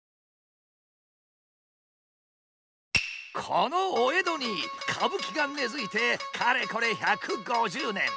このお江戸に歌舞伎が根づいてかれこれ１５０年。